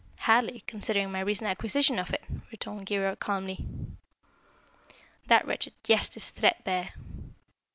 "Hardly, considering my recent acquisition of it," returned Keyork calmly. "That wretched jest is threadbare."